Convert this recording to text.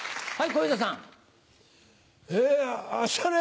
はい。